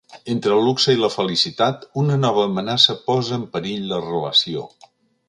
Entre el luxe i la felicitat, una nova amenaça posa en perill la relació.